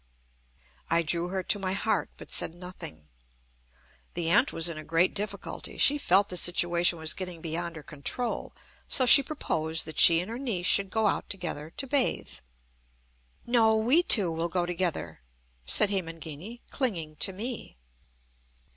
I drew her to my heart, but said nothing. The aunt was in a great difficulty. She felt the situation was getting beyond her control; so she proposed that she and her niece should go out together to bathe. "No! we two will go together," said Hemangini, clinging to me.